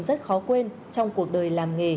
rất khó quên trong cuộc đời làm nghề